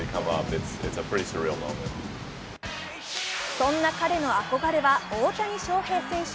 そんな彼の憧れは大谷翔平選手。